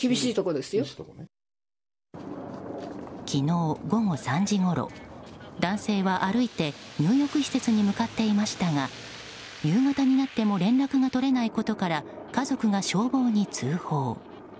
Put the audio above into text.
昨日午後３時ごろ男性は歩いて入浴施設に向かっていましたが夕方になっても連絡が取れないことから家族が消防に通報。